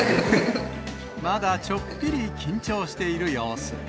まだちょっぴり緊張している様子。